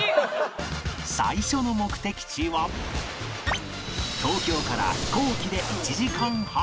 最初の目的地は東京から飛行機で１時間半